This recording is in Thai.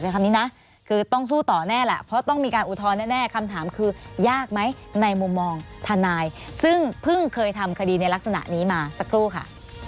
คำนี้นะคือต้องสู้ต่อแน่แหละเพราะต้องมีการอุทธรณ์แน่คำถามคือยากไหมในมุมมองทนายซึ่งเพิ่งเคยทำคดีในลักษณะนี้มาสักครู่ค่ะ